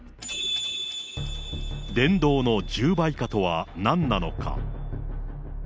伝道の十倍化とはなんなのか。